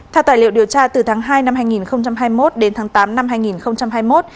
theo tài liệu điều tra từ tháng hai năm hai nghìn hai mươi một đến tháng tám năm hai nghìn hai mươi một